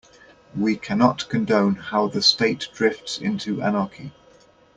We cannot condone how the state drifts into anarchy.